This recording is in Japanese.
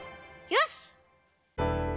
よし！